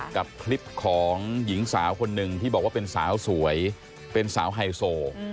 กับคลิปของหญิงสาวคนหนึ่งที่บอกว่าเป็นสาวสวยเป็นสาวไฮโซ